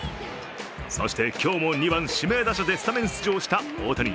そして、今日も２番・指名打者でスタメン出場した大谷。